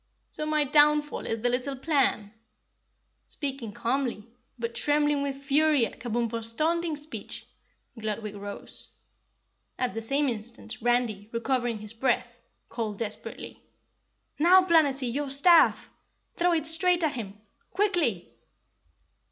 "So my downfall is the little plan?" Speaking calmly, but trembling with fury at Kabumpo's taunting speech, Gludwig rose. At the same instant Randy, recovering his breath, called desperately. "Now, Planetty, your staff! Throw it straight at him. Oh, quickly!"